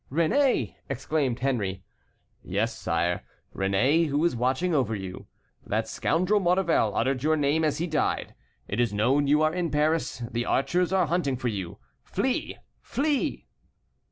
"Réné!" exclaimed Henry. "Yes, sire, Réné, who is watching over you. That scoundrel Maurevel uttered your name as he died. It is known you are in Paris; the archers are hunting for you. Flee! Flee!"